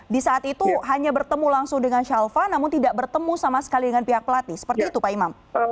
di saat itu hanya bertemu langsung dengan shalfa namun tidak bertemu sama sekali dengan pihak pelatih seperti itu pak imam